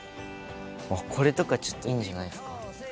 あっこれとかちょっといいんじゃないすか？